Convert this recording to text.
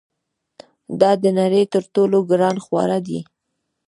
دا د نړۍ تر ټولو ګران خواړه دي.